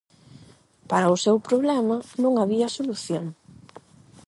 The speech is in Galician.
Para o seu problema non había solución.